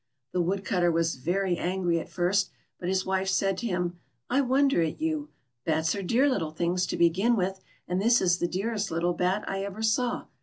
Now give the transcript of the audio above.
The Woodcutter was very angry at first, but his wife said to him :" I wonder at you. Bats are dear little things to begin with, and this is the dearest little bat I ever saw.